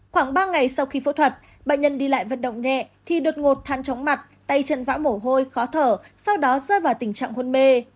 khoảng ba ngày sau khi phẫu thuật bệnh nhân đi lại vận động nhẹ thì đột ngột than chóng mặt tay chân võ mồ hôi khó thở sau đó rơi vào tình trạng hôn mê